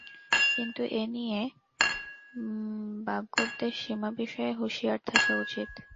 কিন্তু এ নিয়ে বাগ্যুদ্ধের সীমা বিষয়ে হুঁশিয়ার থাকা উচিত।